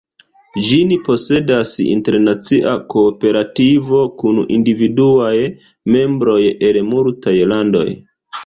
Ĝin posedas internacia kooperativo kun individuaj membroj el multaj landoj.